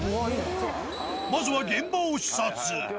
まずは現場を視察。